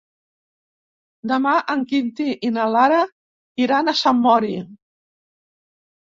Demà en Quintí i na Lara iran a Sant Mori.